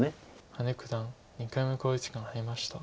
羽根九段２回目の考慮時間に入りました。